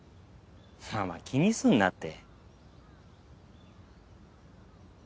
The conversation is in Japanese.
まあまあ気にすんなって。